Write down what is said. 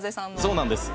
そうなんです。